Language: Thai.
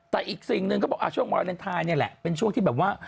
แต่อีกสิ่งหนึ่งเขาบอกช่วงวาเลนไทยนี่แหละเป็นช่วงที่แบบว่า